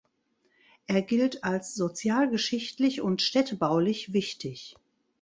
Er gilt als sozialgeschichtlich und städtebaulich wichtig.